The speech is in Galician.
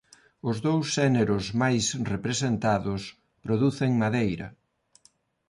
Os dous xéneros máis representados producen madeira.